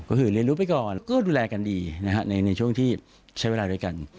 ก็คือเรียนรู้ไปก่อนก็ดูแลกันดีนะฮะในช่วงที่ใช้เวลาด้วยกัน